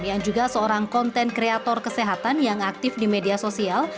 yang juga seorang konten kreator kesehatan yang aktif di media sosial